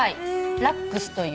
ラックスという。